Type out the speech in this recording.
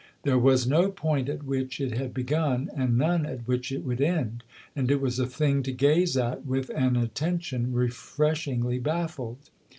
There was no point at which it had begun and none at which it would end, and it was a thing to gaze at with an attention refreshingly baffled.